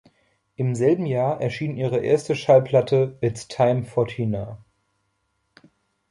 Im selben Jahr erschien ihre erste Schallplatte "It's Time for Tina".